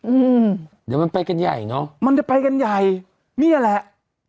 อืมเดี๋ยวมันไปกันใหญ่เนอะมันจะไปกันใหญ่เนี่ยแหละ